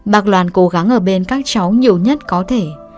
bác loan cố gắng ở bên các cháu nhiều nhất có thể